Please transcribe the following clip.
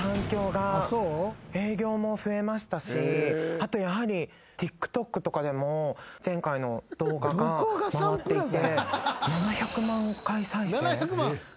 あとやはりＴｉｋＴｏｋとかでも前回の動画が回っていて。